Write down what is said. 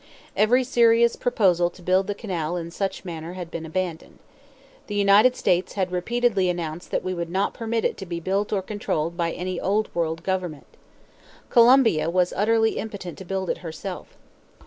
Every serious proposal to build the canal in such manner had been abandoned. The United States had repeatedly announced that we would not permit it to be built or controlled by any old world government. Colombia was utterly impotent to build it herself.